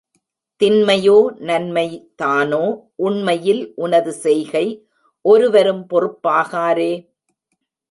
தின்மையோ நன்மை தானோ உண்மையில் உனது செய்கை ஒருவரும் பொறுப்பா காரே.